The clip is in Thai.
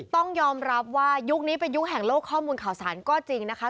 ต้องยอมรับว่ายุคนี้เป็นยุคแห่งโลกข้อมูลข่าวสารก็จริงนะคะ